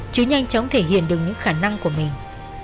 chứ nhanh chóng thể hiện được những khả năng của mình